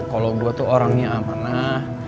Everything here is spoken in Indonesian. kalau dua tuh orangnya amanah